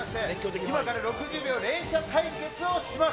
今から６０秒連射対決をします。